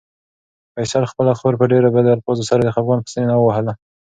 فیصل خپله خور په ډېرو بدو الفاظو سره د خپګان په سېنه ووهله.